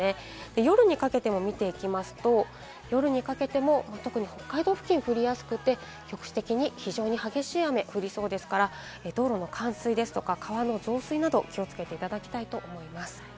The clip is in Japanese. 夜にかけても見ていきますと、特に北海道付近、降りやすくて局地的に非常に激しい雨が降りそうですから道路の冠水、川の増水など気をつけていただきたいと思います。